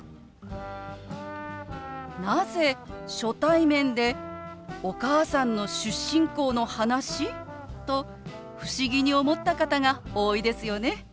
「なぜ初対面でお母さんの出身校の話？」と不思議に思った方が多いですよね。